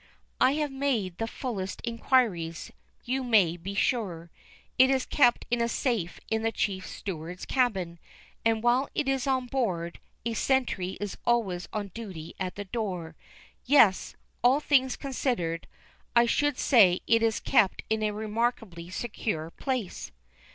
"I have made the fullest inquiries, you may be sure. It is kept in a safe in the chief steward's cabin, and, while it is on board, a sentry is always on duty at the door. Yes, all things considered, I should say it is kept in a remarkably secure place."